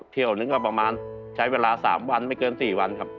เที่ยวหนึ่งก็ประมาณใช้เวลา๓วันไม่เกิน๔วันครับ